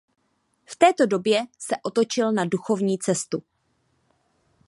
V této době se otočil na duchovní cestu.